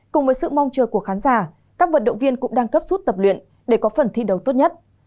cùng với sự mong chờ của khán giả các vận động viên cũng đang cấp rút tập luyện để có phần thi đấu tốt nhất